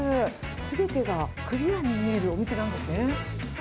すべてがクリアに見えるお店なんですね。